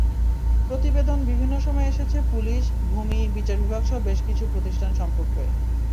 প্রতিবেদন বিভিন্ন সময়ে এসেছে পুলিশ, ভূমি, বিচার বিভাগসহ বেশ কিছু প্রতিষ্ঠান সম্পর্কে।